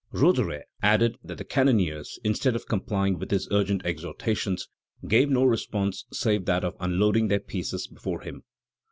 Roederer added that the cannoneers, instead of complying with his urgent exhortations, gave no response save that of unloading their pieces before him.